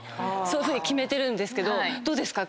そういうふうに決めてるんですけどどうですか？